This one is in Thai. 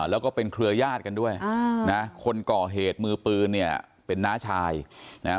แล้วก็เป็นเครือญาติกันด้วยนะคนก่อเหตุมือปืนเนี่ยเป็นน้าชายนะฮะ